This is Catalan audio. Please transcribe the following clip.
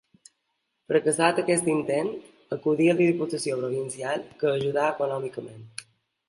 Fracassat aquest intent, acudí a la Diputació Provincial que ajudà econòmicament.